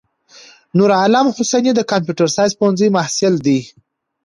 نورعالم حسیني دکمپیوټر ساینس پوهنځی محصل ده.